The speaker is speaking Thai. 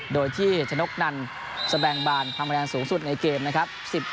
โดยที่ฉนกนันแสบงบานพังแปลงสูงสุดในเกมนะครับ